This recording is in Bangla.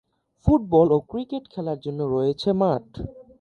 ফুটবল ও ক্রিকেট খেলার জন্য রয়েছে মাঠ।